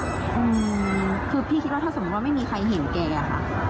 อืมคือพี่คิดว่าถ้าสมมุติว่าไม่มีใครเห็นแกอะค่ะ